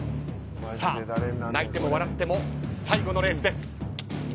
さあ、泣いても笑っても最後のレースです。